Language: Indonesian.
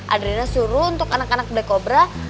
adriana suruh untuk anak anak black cobra